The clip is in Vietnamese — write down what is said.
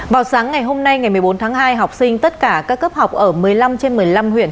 vào sáng ngày hôm nay ngày một mươi bốn tháng hai học sinh tất cả các cấp học ở một mươi năm trên một mươi năm huyện